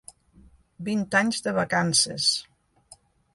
Vint anys de vacances.